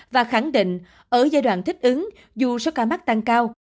và khẳng định ở giai đoạn thích ứng dù số ca mắc tăng cao